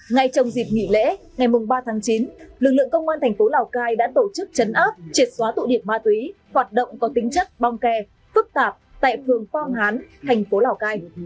ngay trong dịp nghỉ lễ ngày ba tháng chín lực lượng công an thành phố lào cai đã tổ chức chấn áp triệt xóa tụ điểm ma túy hoạt động có tính chất bong kè phức tạp tại phường phong hán thành phố lào cai